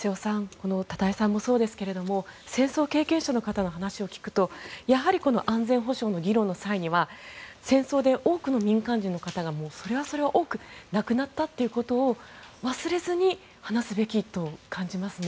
この多田井さんもそうですが戦争経験者の方の話を聞くとやはり安全保障の議論の際には戦争で多くの民間人の方がそれはそれは多く亡くなったということを忘れずに話すべきと感じますね。